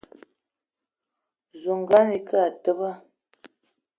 Zouga bike e teba.